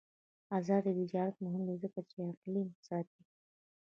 آزاد تجارت مهم دی ځکه چې اقلیم ساتي.